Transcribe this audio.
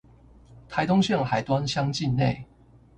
臺東縣海端鄉境內